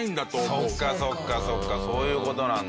そっかそっかそっかそういう事なんだ。